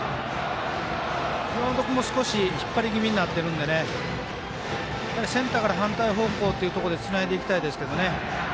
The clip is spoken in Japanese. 岩本君も少し引っ張り気味になってるんでセンターから反対方向というところでつないでいきたいですけどね。